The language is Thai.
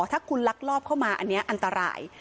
ถ้าคุณลักลอบเข้ามาอันนี้อันตราย